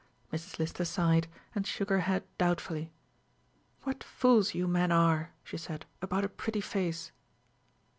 Mrs. Lister sighed, and shook her head doubtfully. "What fools you men are," she said, "about a pretty face!"